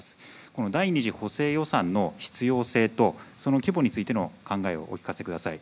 この第２次補正予算の必要性とその規模についての考えをお聞かせ下さい。